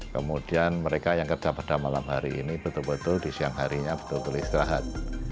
kemudian mereka yang kerja pada malam hari ini betul betul di siang harinya betul betul istirahat